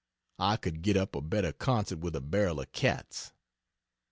I could get up a better concert with a barrel of cats.